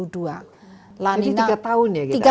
jadi tiga tahun ya kita